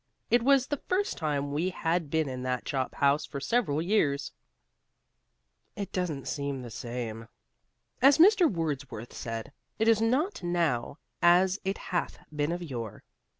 It was the first time we had been in that chop house for several years ... it doesn't seem the same. As Mr. Wordsworth said, it is not now as it hath been of yore.